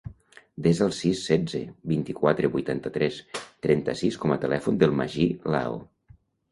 Desa el sis, setze, vint-i-quatre, vuitanta-tres, trenta-sis com a telèfon del Magí Lao.